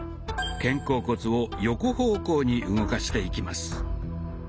肩甲骨を横方向に動かしていきます。